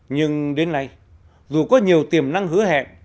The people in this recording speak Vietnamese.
nhưng đến nay dù có nhiều tiềm năng hứa hẹn